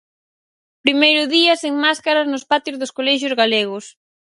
Primeiro día sen máscaras nos patios dos colexios galegos.